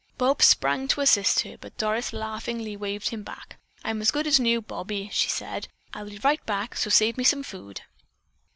Bob sprang to assist her, but Doris laughingly waved him back. "I'm as good as new, Bobbie," she said. "I'll be right back, so save me some food."